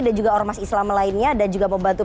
dan juga ormas islam lainnya dan juga membantu